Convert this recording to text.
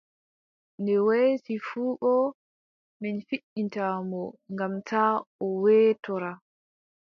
Nde weeti fuu boo, min findinta mo, ngam taa o weetora!